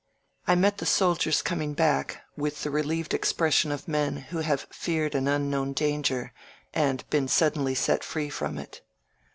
I met the soldiers coming back, with the reUeved ex pression of men who have feared an unknown danger and been suddenly set free from it.